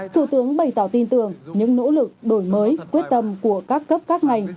thủ tướng bày tỏ tin tưởng những nỗ lực đổi mới quyết tâm của các cấp các ngành